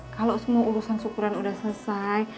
kalau semua urusan sukuran udah selesai